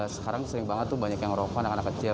sekarang sering banget tuh banyak yang rokok anak anak kecil